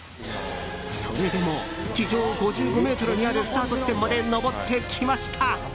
それでも地上５５ｍにあるスタート地点まで上ってきました。